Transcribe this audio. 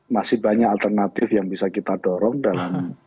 masih banyak alternatif yang bisa kita dorong dalam